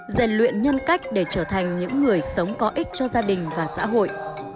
rèn luyện nhân cách để trở thành những người sống có ích cho gia đình và xã hội